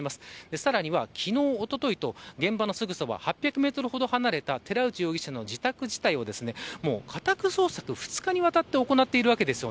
さらには、昨日、おとといと現場のすぐそば８００メートルほど離れた寺内容疑者の自宅を家宅捜索２日にわたって行っているわけです。